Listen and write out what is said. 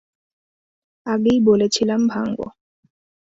আগেই বলেছিলাম ভাঙবো।